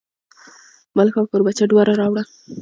بالښت او کوربچه دواړه راوړه.